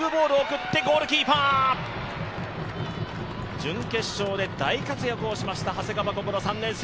準決勝で大活躍をしました長谷川想３年生。